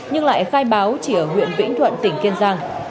nhưng lại khai báo chỉ ở huyện vĩnh thuận tỉnh kiên giang